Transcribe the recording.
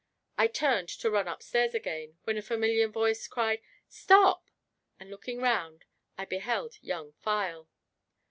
I turned to run upstairs again, when a familiar voice cried, "Stop!" and looking round, I beheld Young File.